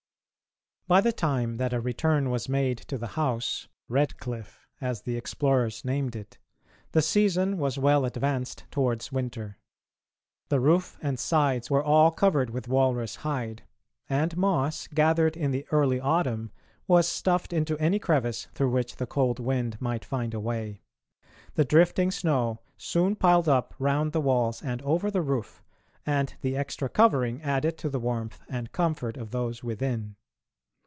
By the time that a return was made to the house Redcliff, as the explorers named it the season was well advanced towards winter. The roof and sides were all covered with walrus hide, and moss, gathered in the early autumn, was stuffed into any crevice through which the cold wind might find a way. The drifting snow soon piled up round the walls and over the roof, and the extra covering added to the warmth and comfort of those within.